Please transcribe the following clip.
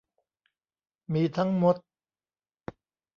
มีทั้งมด